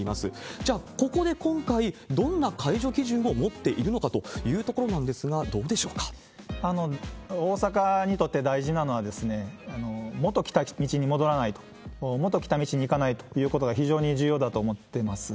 じゃあ、ここで今回、どんな解除基準を持っているのかというところなんですが、どうで大阪にとって大事なのは、元来た道に戻らないと、元来た道に行かないということが非常に重要だと思ってます。